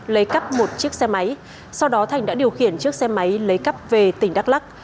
lấy cắp một chiếc xe máy sau đó thành đã điều khiển chiếc xe máy lấy cắp về tỉnh đắk lắc